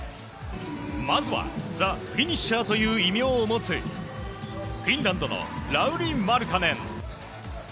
まずはザ・フィニッシャーという異名を持つ、フィンランドのラウリ・マルカネン。